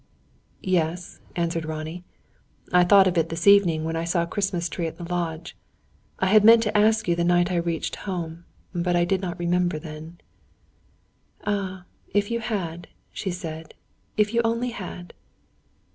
"Yes," answered Ronnie. "I thought of it this evening when I saw a Christmas tree at the lodge. I had meant to ask you the night I reached home, but I did not remember then." "Ah, if you had," she said, "if you only had!"